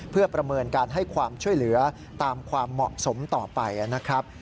เพื่อประเมินการให้ความช่วยเหลือตามความเหมาะสมต่อไปนะครับ